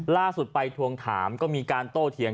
ล่าสุดไปทวงถามก็มีการโต้เถียง